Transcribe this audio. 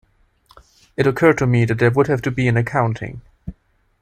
It occurred to me that there would have to be an accounting.